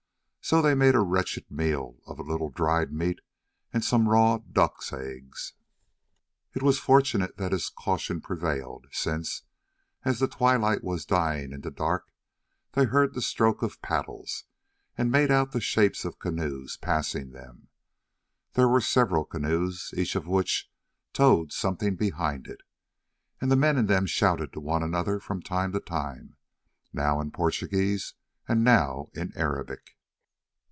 So they made a wretched meal off a little dried meat and some raw duck's eggs. It was fortunate that his caution prevailed, since, as the twilight was dying into dark, they heard the stroke of paddles and made out the shapes of canoes passing them. There were several canoes, each of which towed something behind it, and the men in them shouted to one another from time to time, now in Portuguese and now in Arabic.